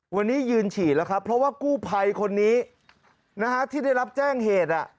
วันนี้ยืนฉี่แล้วครับเพราะว่ากู้ภัยคนนี้นะฮะที่ได้รับแจ้งเหตุ